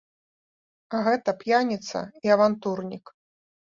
А гэта п'яніца і авантурнік.